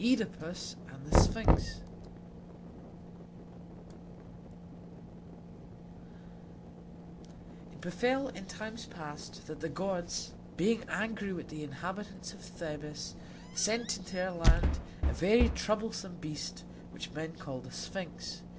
ŒDIPUS AND THE SPHINX It befell in times past that the gods, being angry with the inhabitants of Thebes, sent into their land a very troublesome beast which men called the Sphinx.